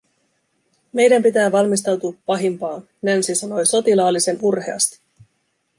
"Meidän pitää valmistautuu pahimpaa", Nancy sanoi sotilaallisen urheasti.